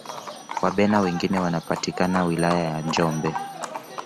wabena wengine wanapatika wilaya ya njombe